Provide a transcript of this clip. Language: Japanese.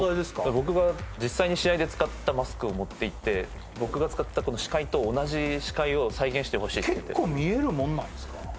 僕が実際に試合で使ったマスクを持っていって僕が使ったこの視界と同じ視界を再現してほしいって結構見えるもんなんですか？